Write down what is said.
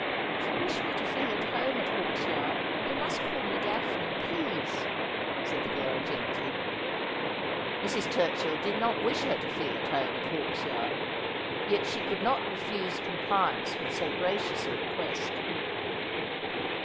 ' If you wish me to feel at home at Hawksyard you must call me Daphne, please,' said the girl gently. Mrs. Turchill did not wish her to feel at home at Hawks yard ; yet she could not refuse compliance with so gracious a request.